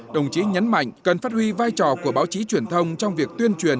đồng chí nhấn mạnh cần phát huy vai trò của báo chí truyền thông trong việc tuyên truyền